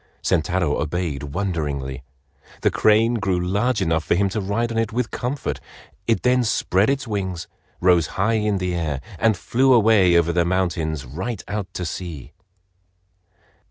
Sentaro obeyed wonderingly. The crane grew large enough for him to ride on it with comfort. It then spread its wings, rose high in the air, and flew away over the mountains right out to sea.